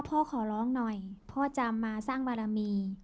ขอร้องหน่อยพ่อจะมาสร้างบารมี